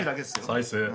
再生。